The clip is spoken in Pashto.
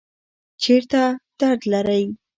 چیرته درد لرئ؟